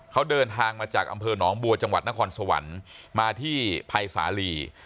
เขาเดินทางมาจากอำเภอหนองบัวจังหวัดนครสวรรค์มาที่ภัยสาลี